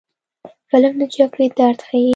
فلم د جګړې درد ښيي